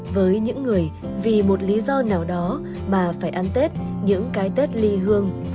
với những người vì một lý do nào đó bà phải ăn tết những cái tết ly hương